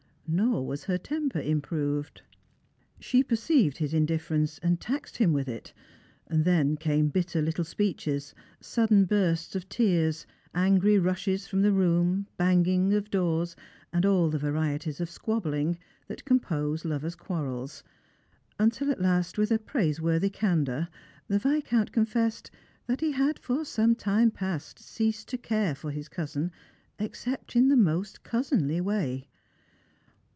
Nor was her temper improved. She perceived his indiff"erence, and taxed him with it. Then came bitter litt<b speeches, sudden bursts of tears, angry rushes from the room, hangings of doors, and all the varieties of squabbling that compose lovers' quarrels; until at last, with a praiseworthy candour, the Viscount confessed that he had for some time past ceased to care for his cousin, except in the most cousinly way.